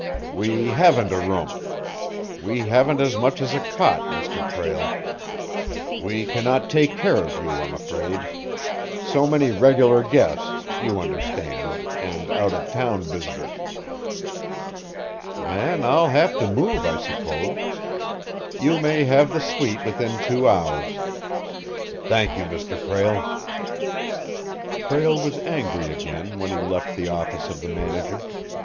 "We haven't a room. We haven't as much as a cot, Mr. Prale. We cannot take care of you, I'm afraid. So many regular guests, you understand, and out of town visitors." "Then I'll have to move, I suppose. You may have the suite within two hours." "Thank you, Mr. Prale." Prale was angry again when he left the office of the manager.